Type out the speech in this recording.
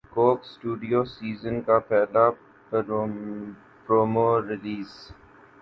کوک Studio season کا پہلا promo release